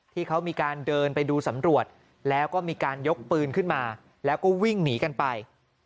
ที่เขามีการเดินไปดูสำรวจแล้วก็มีการยกปืนขึ้นมาแล้วก็วิ่งหนีกันไป